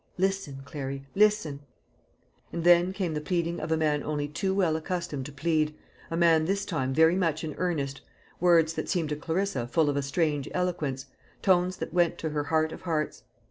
Listen, Clary, listen." And then came the pleading of a man only too well accustomed to plead a man this time very much in earnest: words that seemed to Clarissa full of a strange eloquence, tones that went to her heart of hearts.